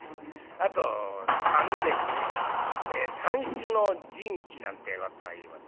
あと「三」でして「三種の神器」なんていうことをいいます。